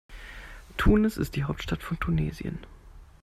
Tunis ist die Hauptstadt von Tunesien.